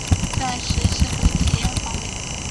在实习和体验方面